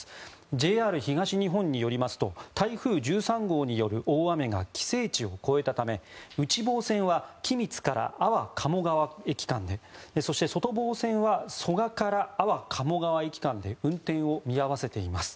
ＪＲ東日本によりますと台風１３号による大雨が規制値を超えたため、内房線は君津から安房鴨川駅間でそして外房線は蘇我から安房鴨川駅間で運転を見合わせています。